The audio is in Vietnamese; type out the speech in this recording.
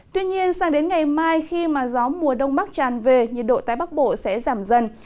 tuy nhiên sang đến ngày mai khi gió mùa đông bắc tràn về nhiệt độ tại bắc bộ sẽ giảm dần